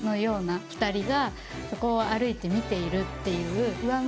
ここを歩いて見ているっていう。